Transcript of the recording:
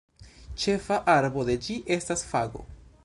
Ĉefa arbo de ĝi estas fago.